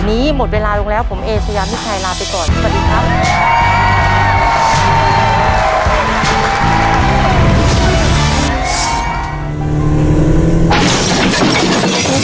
วันนี้หมดเวลาลงแล้วผมเอเชยามิชัยลาไปก่อนสวัสดีครับ